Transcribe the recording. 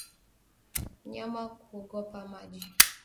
Mnyama kuogopa maji